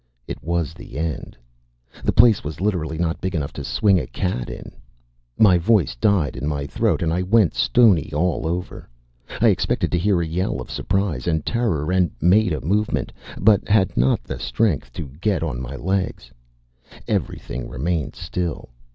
It was the end. The place was literally not big enough to swing a cat in. My voice died in my throat and I went stony all over. I expected to hear a yell of surprise and terror, and made a movement, but had not the strength to get on my legs. Everything remained still.